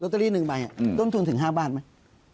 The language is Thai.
เตอรี่๑ใบต้นทุนถึง๕บาทไหม